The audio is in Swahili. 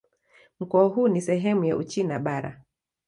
Mkoa huu ni sehemu ya Uchina Bara.